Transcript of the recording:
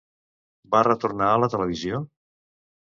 Va retornar a la televisió?